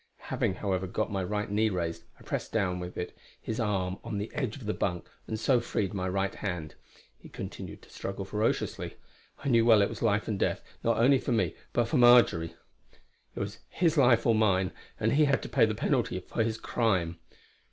Having, however, got my right knee raised, I pressed down with it his arm on the edge of the bunk and so freed my right hand. He continued to struggle ferociously. I knew well it was life and death, not only for me, but for Marjory. It was his life or mine; and he had to pay the penalty of his crime.